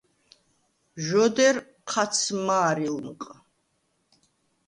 ჟ’ოდერ ჴაც მა̄რილმჷყ.